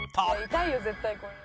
「痛いよ絶対これ」